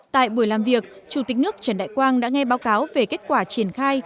tại buổi làm việc chủ tịch nước trần đại quang đã nghe báo cáo về kết quả triển khai